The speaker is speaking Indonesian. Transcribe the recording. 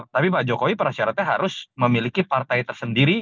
tapi pak jokowi persyaratnya harus memiliki partai tersendiri